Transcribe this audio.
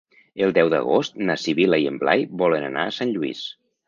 El deu d'agost na Sibil·la i en Blai volen anar a Sant Lluís.